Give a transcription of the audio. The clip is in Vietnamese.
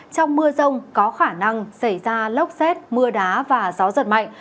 trong mưa rông có khả năng xảy ra lốc xét mưa đá và gió giật mạnh